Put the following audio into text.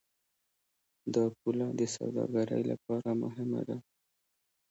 دا پوله د سوداګرۍ لپاره مهمه ده.